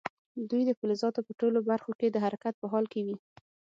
دوی د فلزاتو په ټولو برخو کې د حرکت په حال کې وي.